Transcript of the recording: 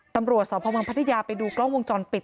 ตำรวจสพเมืองพัทยาไปดูกล้องวงจรปิด